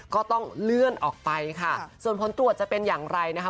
ก็ต้องเลื่อนออกไปค่ะส่วนผลตรวจจะเป็นอย่างไรนะคะ